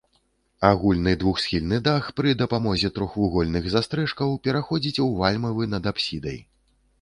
Агульны двухсхільны дах пры дапамозе трохвугольных застрэшкаў пераходзіць у вальмавы над апсідай.